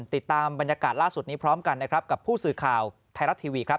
ติดตามบรรยากาศล่าสุดนี้พร้อมกันนะครับกับผู้สื่อข่าวไทยรัฐทีวีครับ